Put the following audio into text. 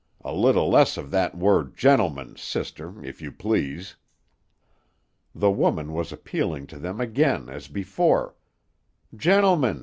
A little less of that word 'gentlemen,' sister, if you please." The woman was appealing to them again as before: "Gentlemen!